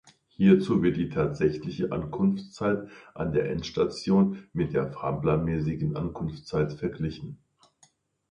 Hierzu wird die tatsächliche Ankunftszeit an der Endstation mit der fahrplanmäßigen Ankunftszeit verglichen.